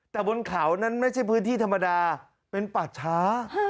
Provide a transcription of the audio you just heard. แต่บนเขานั้นไม่ใช่พื้นที่ธรรมดาเป็นป่าช้า